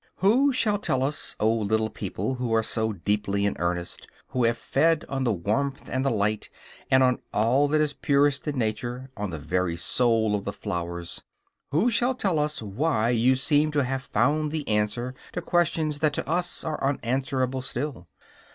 Who shall tell us, oh little people, who are so deeply in earnest, who have fed on the warmth and the light and on all that is purest in nature, on the very soul of the flowers, who shall tell us why you seem to have found the answer to questions that to us are unanswerable still?